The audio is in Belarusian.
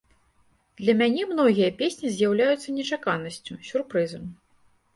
Для мяне многія песні з'яўляюцца нечаканасцю, сюрпрызам.